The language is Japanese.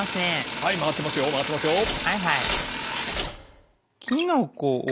はいはい。